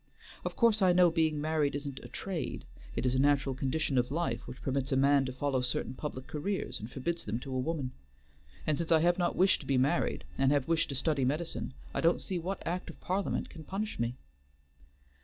Of course I know being married isn't a trade: it is a natural condition of life, which permits a man to follow certain public careers, and forbids them to a woman. And since I have not wished to be married, and have wished to study medicine, I don't see what act of Parliament can punish me."